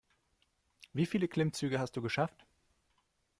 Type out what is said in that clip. Wie viele Klimmzüge hast du geschafft?